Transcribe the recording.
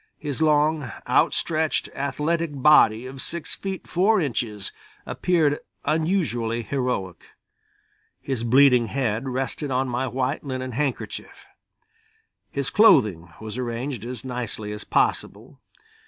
His long, outstretched, athletic body of six feet four inches appeared unusually heroic. His bleeding head rested on my white linen handkerchief. His clothing was arranged as nicely as possible.